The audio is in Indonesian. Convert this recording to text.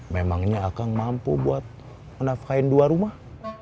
memangnya kang komar mampu buat menafkain dua rumah